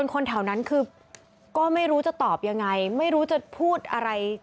คนแถวนั้นคือก็ไม่รู้จะตอบยังไงไม่รู้จะพูดอะไร